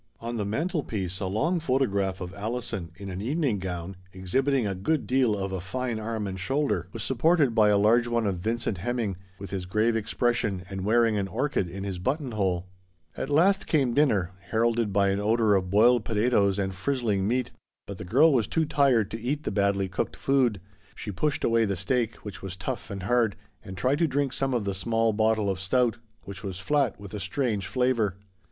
On the mantelpiece a long photograph of Alison, in a smart evening gown exhibiting a good deal of a fine arm and shoulder, was supported by a large one of Vincent Hem 112 THE STORY OF A MODERN WOMAN. ming, with his grave and pose expression, and wearing an orchid in his button hole. At last came dinner, heralded by an odour of boiled potatoes and frizzling meat. But the girl was too tired to eat the badly cooked food ; she pushed away the steak, which was tough and hard, and tried to drink some of the small bottle of stout, which was flat, with a strange flavour.